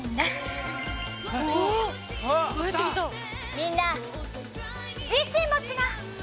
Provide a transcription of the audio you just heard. みんな自信持ちな！